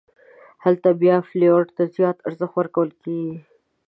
هلته بیا فلېور ته زیات ارزښت ورکول کېږي.